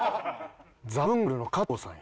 ザブングルの加藤さんや。